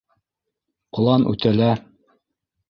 План үтәлә.